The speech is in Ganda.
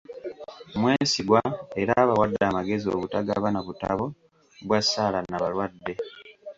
Mwesigwa era abawadde amagezi obutagabana butabo bwa ssaala nabalwadde.